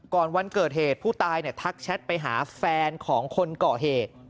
วันเกิดเหตุผู้ตายทักแชทไปหาแฟนของคนก่อเหตุ